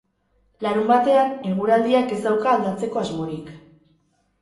Larunbatean, eguraldiak ez dauka aldatzeko asmorik.